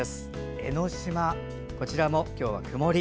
江の島、こちらも今日は曇り。